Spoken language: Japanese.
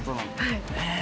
はい。